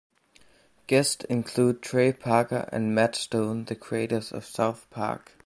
Guests included Trey Parker and Matt Stone, the creators of "South Park".